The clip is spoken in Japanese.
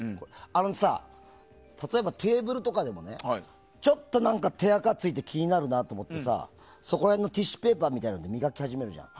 あのさ、例えばテーブルとかでもちょっと何か手あかがついて気になると思ったらそこら辺のティッシュペーパーで磨き始めるじゃん。